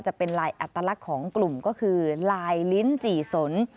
จะเป็นลายอัตลักษณ์ของกลุ่มก็คือลายลิ้นจี่สน